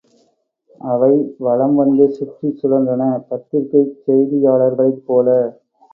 அவை வலம் வந்து சுற்றிச் சுழன்றன பத்திரிகைச் செய்தியாளர்களைப் போல.